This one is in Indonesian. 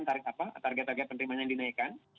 target apa target target penerimaan yang dinaikkan